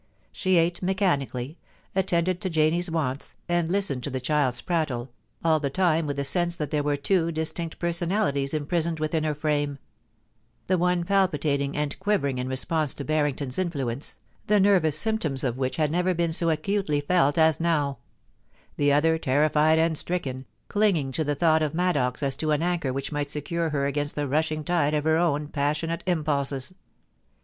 She ate mechanically, attended to Janie's wants, and listened to the child's prattle, all the time with the sense that there were two distinct personalities imprisoned within her frame: the one palpitating and <]utvering in response to Harrington's influence, the nervous symjitoms of which had never been so acutely felt as now ; the other terrified and stricken, clinging to the thought of Maddox as to an anchor which might secure her against the rushing tide of her own passionate impulses.